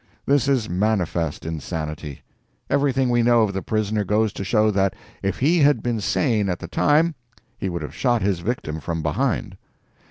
This is manifest insanity. Everything we know of the prisoner goes to show that if he had been sane at the time, he would have shot his victim from behind.